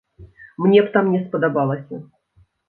Мне б там не спадабалася.